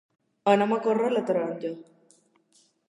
Anem a córrer la taronja!